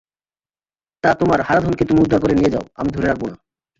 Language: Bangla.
তা তোমার হারাধনকে তুমি উদ্ধার করে নিয়ে যাও, আমি ধরে রাখব না।